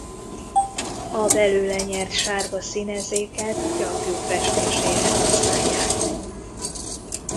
A belőle nyert sárga színezéket gyapjú festésére használják.